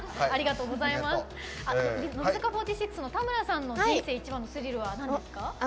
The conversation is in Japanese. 乃木坂４６の田村さんの人生一番のスリルはなんですか？